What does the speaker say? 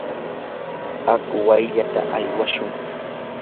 aku wayllayta aywashun.